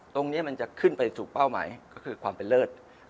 ตรงนี้มันจะขึ้นไปสู่เป้าหมายก็คือความเป็นเลิศ